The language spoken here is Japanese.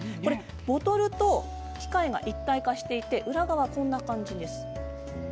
ボトルと器械が一体化していて裏側はこんな感じです。